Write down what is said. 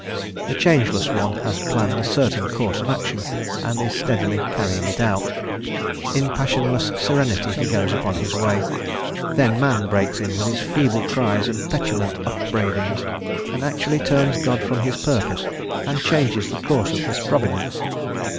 The Changeless One has planned a certain course of action, and is steadily carrying it out; in passionless serenity he goes upon his way; then man breaks in with his feeble cries and petulant upbraidings, and actually turns God from his purpose, and changes the course of his providence.